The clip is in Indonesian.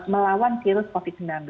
melawan virus covid sembilan belas